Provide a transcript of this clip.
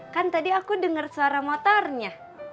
kan tadi aku dengar suara motornya